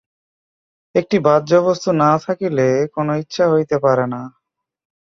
একটি বাহ্যবস্তু না থাকিলে কোন ইচ্ছা হইতে পারে না।